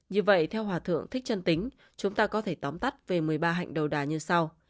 như vậy theo hòa thượng thích chân tính chúng ta có thể tóm tắt về một mươi ba hạnh đầu đà như sau